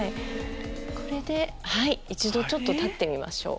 これで一度立ってみましょう。